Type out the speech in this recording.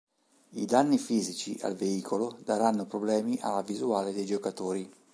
I danni fisici al veicolo daranno problemi alla visuale dei giocatori.